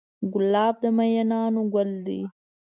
ګلاب د مینانو ګل دی.